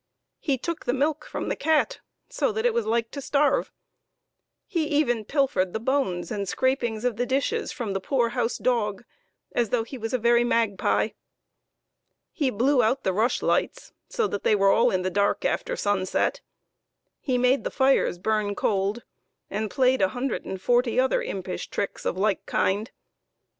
He took the milk from the cat, so that it was like to starve ; he even pilfered the bones and scrapings of the dishes from the poor house dog, as though he was a very magpie. He blew out the rush lights, so that they were all in the dark after sunset; he made the fires burn cold, and played a hundred and forty other impish tricks of the like kind.